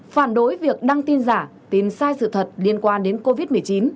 phản đối việc đăng tin giả tin sai sự thật liên quan đến covid một mươi chín